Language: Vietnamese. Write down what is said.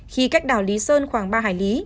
khi cách đảo lý sơn khoảng ba hải lý